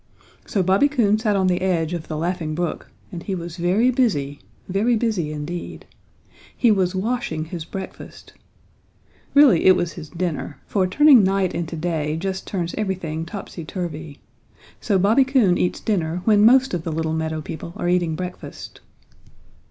So Bobby Coon sat on the edge of the Laughing Brook and he was very busy, very busy indeed. He was washing his breakfast. Really, it was his dinner, for turning night into day just turns everything topsy turvy. So Bobby Coon eats dinner when most of the little meadow people are eating breakfast.